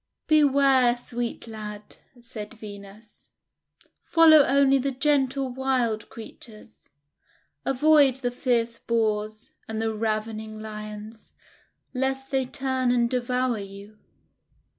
* Beware, sweet lad," said Venus; "follow only the gentle wild creatures. Avoid the fierce Boars ' THE ANEMONE AND THE ROSE 65 and the ravening Lions, lest they turn and de vour you."